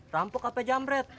rampok apa jamret